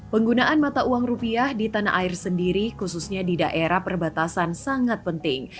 penggunaan mata uang rupiah di tanah air sendiri khususnya di daerah perbatasan sangat penting